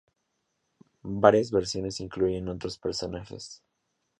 Varias versiones incluyen otros personajes.